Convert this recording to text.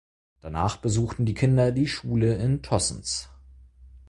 Danach besuchten die Kinder die Schule in Tossens.